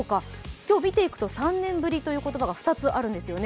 今日、見ていくと３年ぶり」という言葉が２つあるんですよね。